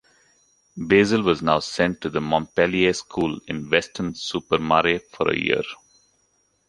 Basil was now sent to the Montpellier School in Weston-super-Mare for a year.